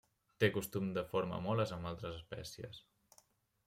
Té costum de forma moles amb altres espècies.